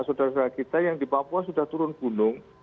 sudah sudah kita yang di papua sudah turun gunung